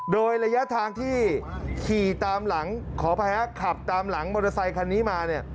โดยระยะทางที่ขี่ตามหลังขอแพ้ขับตามหลังมอเตอร์ไซค์คันนี้มา